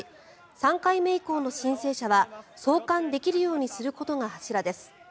３回目以降の申請者は送還できるようにすることが柱です。